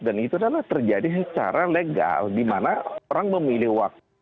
tapi terjadi secara legal dimana orang memilih waktu